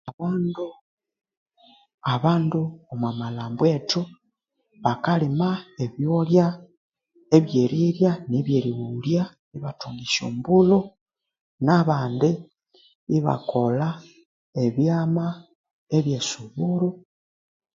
Abandu omwa malhambu ethu bakalima ebyolya ebyerirya ne byerighulya ibathunga esyombulhu nabandi ibakolha ebyama ebyesuburu